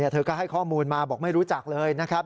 เธอก็ให้ข้อมูลมาบอกไม่รู้จักเลยนะครับ